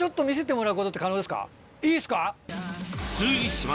いいですか！